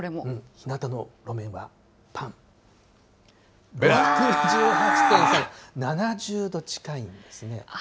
ひなたの路面はぱん！６８．３度、７０度近いんですね。